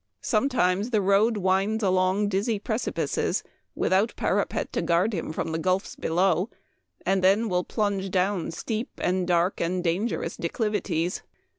Sometimes the road winds along dizzy precipices, without parapet to guard him from the gulfs below, and then will plunge down steep and dark and dangerous declivities.